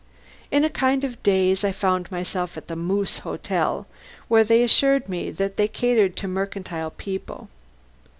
In a kind of daze I found myself at the Moose Hotel, where they assured me that they catered to mercantile people.